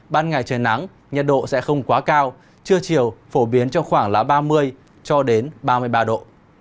ban ngày trời nắng nhiệt độ sẽ không quá cao trưa chiều phổ biến cho khoảng ba mươi ba mươi ba độ